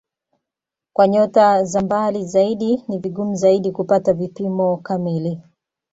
Kwa nyota za mbali zaidi ni vigumu zaidi kupata vipimo kamili.